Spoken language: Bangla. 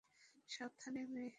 সাবধানে, মেয়ে!